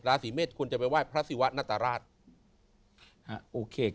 ราศีเมษควรจะไปไหว้พระศิวะนัตรราช